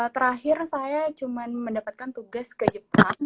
terakhir saya cuma mendapatkan tugas ke jepang